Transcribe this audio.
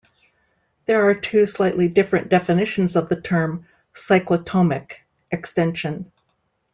There are two slightly different definitions of the term cyclotomic extension.